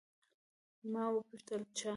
ما وپوښتل، چا؟